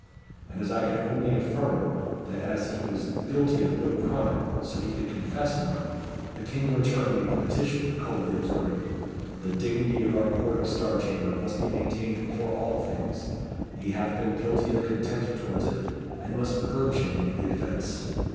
And as I could only affirm, that as he was guilty of no crime, so he could confess none, the King returned me the petition, coldly observing 'The dignity of our Court of Star Chamber must be maintained before all things. He hath been guilty of contempt towards it, and must purge him of the offence.'